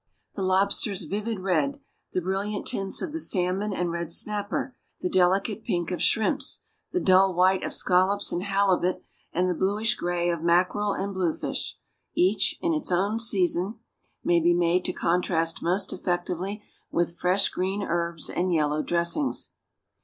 The lobster's vivid red, the brilliant tints of the salmon and red snapper, the delicate pink of shrimps, the dull white of scallops and halibut, and the bluish gray of mackerel and bluefish, each, in its season, may be made to contrast most effectively with fresh green herbs and yellow dressings.